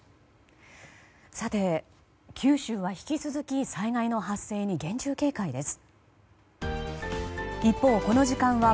九州は引き続き災害の発生に厳重警戒です。